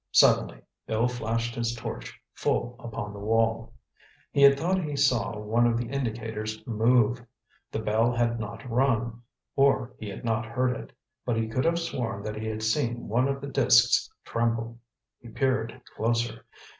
Suddenly, Bill flashed his torch full upon the wall. He had thought he saw one of the indicators move. The bell had not rung—or he had not heard it—but he could have sworn that he had seen one of the disks tremble. He peered closer.